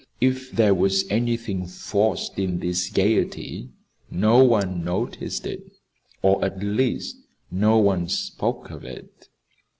If there was anything forced in this gayety, no one noticed it, or at least, no one spoke of it.